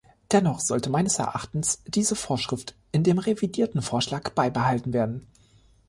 Dennoch sollte meines Erachtens diese Vorschrift in dem revidierten Vorschlag beibehalten werden.